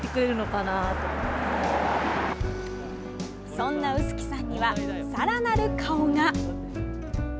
そんな臼杵さんにはさらなる顔が。